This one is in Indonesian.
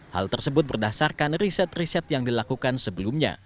hal tersebut berdasarkan riset riset yang dilakukan sebelumnya